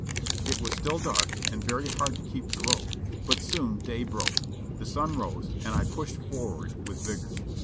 It was still dark and very hard to keep the road, but soon day broke; the sun rose and I pushed forward with vigor.